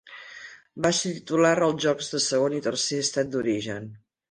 Va ser titular als jocs de segon i tercer estat d'origen.